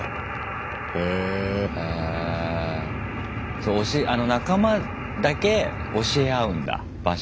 そう仲間だけ教え合うんだ場所を。